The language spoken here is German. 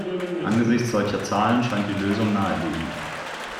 Angesichts solcher Zahlen scheint die Lösung nahe liegend.